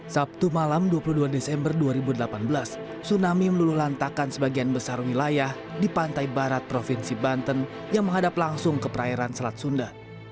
sabtu malam dua puluh dua desember dua ribu delapan belas tsunami meluluh lantakan sebagian besar wilayah di pantai barat provinsi banten yang menghadap langsung ke perairan selat sunda